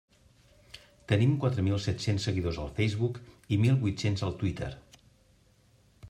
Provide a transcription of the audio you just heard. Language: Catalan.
Tenim quatre mil set-cents seguidors al Facebook i mil vuit-cents al Twitter.